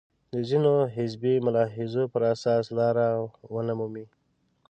د ځینو حزبي ملاحظو پر اساس لاره ونه مومي.